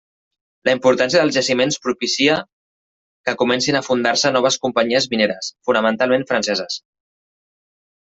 La importància dels jaciments propícia que comencin a fundar-se noves companyies mineres, fonamentalment franceses.